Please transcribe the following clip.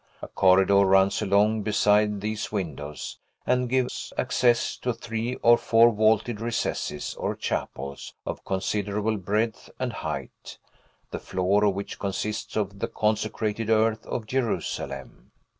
A corridor runs along beside these windows, and gives access to three or four vaulted recesses, or chapels, of considerable breadth and height, the floor of which consists of the consecrated earth of Jerusalem.